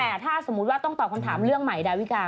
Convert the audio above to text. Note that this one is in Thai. แต่ถ้าสมมุติว่าต้องตอบคำถามเรื่องใหม่ดาวิกา